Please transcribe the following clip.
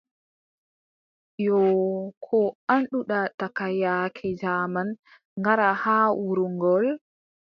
Yoo, koo annduɗa daka yaake jaaman ngara haa wuro ngol ?